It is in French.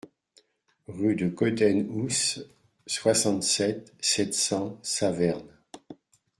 Rue de Gottenhouse, soixante-sept, sept cents Saverne